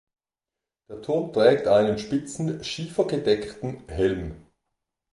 Der Turm trägt einen spitzen schiefergedeckten Helm.